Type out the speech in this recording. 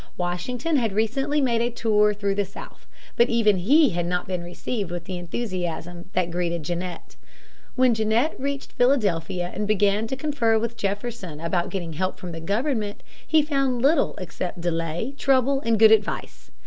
Washington had recently made a tour through the South. But even he had not been received with the enthusiasm that greeted Genet. But when Genet reached Philadelphia, and began to confer with Jefferson about getting help from the government, he found little except delay, trouble, and good advice.